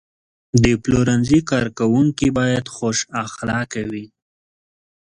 د پلورنځي کارکوونکي باید خوش اخلاقه وي.